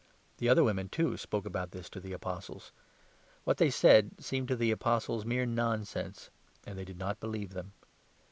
The other women, too, spoke about this to the Apostles. What they said seemed to the Apostles mere 1 1 nonsense, and they did not believe them.